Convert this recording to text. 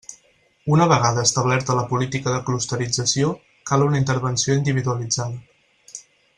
Una vegada establerta la política de clusterització, cal una intervenció individualitzada.